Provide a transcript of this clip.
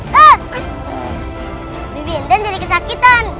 baby enten jadi kesakitan